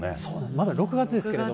まだ６月ですけど。